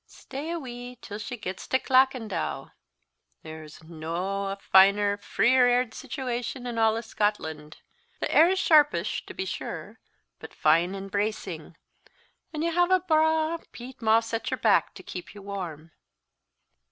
"Stay a wee till she gets to Clackandow! There's no a finer, freer aired situation in a' Scotland. The air's sharpish, to be sure, but fine and bracing; and you have a braw peat moss at your back to keep you warm."